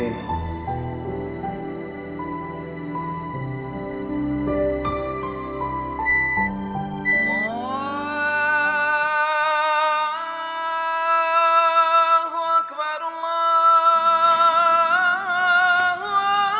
nanti gue mau nunggu